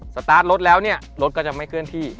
สตาร์ทรถแล้วเนี่ยรถก็จะไม่เคลื่อนที่